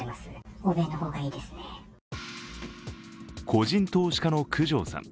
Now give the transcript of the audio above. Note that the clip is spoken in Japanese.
個人投資家の九条さん。